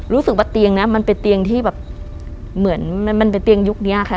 รู้สึกว่าเตียงนี้มันเป็นเตียงที่แบบเหมือนมันเป็นเตียงยุคนี้ค่ะ